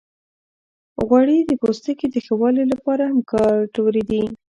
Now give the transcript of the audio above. غوړې د پوستکي د ښه والي لپاره هم ګټورې دي.